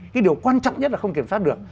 cái điều quan trọng nhất là không kiểm soát được